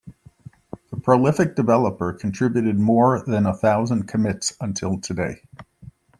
The prolific developer contributed more than a thousand commits until today.